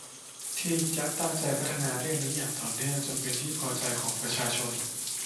ที่จะตั้งใจพัฒนาเรื่องนี้อย่างต่อเนื่องจนเป็นที่พอใจของประชาชน